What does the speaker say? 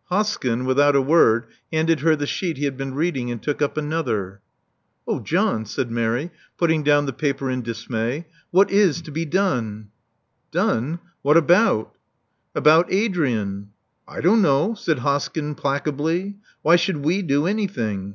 '' Hoskyn, without a word, handed her the sheet he had been reading and took up another. *'Oh John," said Mary, putting down the paper in dismay; what is to be done?" Done! What about?" •* About Adrian." I don't know," said Hoskyn, placably. "Why should we do anything?"